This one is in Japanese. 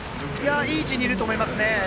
いい位置にいると思います。